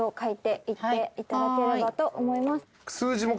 数字も。